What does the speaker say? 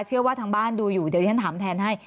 เชื่อว่าทางบ้านดูอยู่เดี๋ยวที่ฉันถามแทนให้